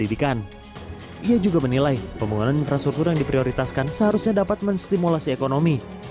ia juga menilai pembangunan infrastruktur yang diprioritaskan seharusnya dapat menstimulasi ekonomi